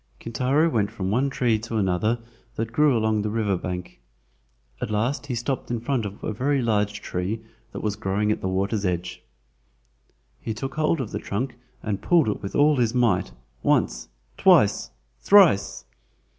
Kintaro went from one tree to another that grew along the river bank. At last he stopped in front of a very large tree that was growing at the water's edge. He took hold of the trunk and pulled it with all his might, once, twice, thrice!